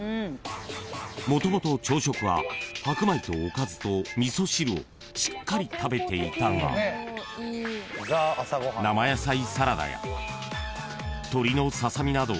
［もともと朝食は白米とおかずと味噌汁をしっかり食べていたが生野菜サラダや鶏のささ身などを中心に変更］